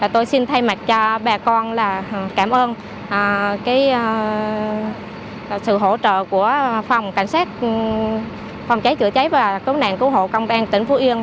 tôi xin thay mặt cho bà con là cảm ơn sự hỗ trợ của phòng cảnh sát phòng cháy chữa cháy và cứu nạn cứu hộ công an tỉnh phú yên